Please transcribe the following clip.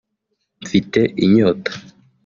“Mfite Inyota”